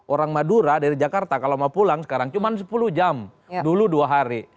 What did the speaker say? orang madura dari jakarta kalau mau pulang sekarang cuma sepuluh jam dulu dua hari